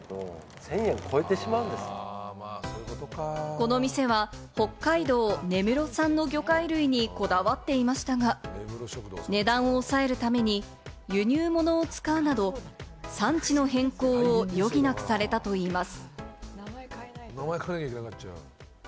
この店は北海道根室産の魚介類にこだわっていましたが、値段を抑えるために輸入物を使うなど、産地の変更を余儀なくされたといいます。